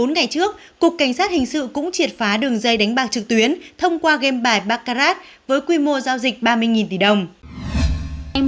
bốn ngày trước cục cảnh sát hình sự cũng triệt phá đường dây đánh bạc trực tuyến thông qua game bài bacard với quy mô giao dịch ba mươi tỷ đồng